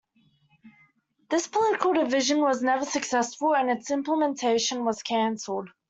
This political division was never successful, and its implementation was cancelled.